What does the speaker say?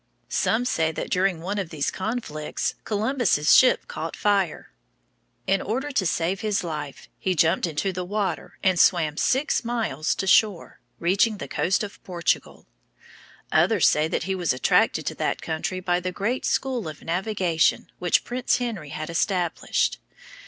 Some say that during one of these conflicts Columbus's ship caught fire. In order to save his life, he jumped into the water and swam six miles to shore, reaching the coast of Portugal. Others say that he was attracted to that country by the great school of navigation which Prince Henry had established.